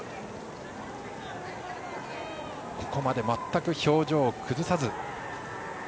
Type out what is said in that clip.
ここまで全く表情を崩さず。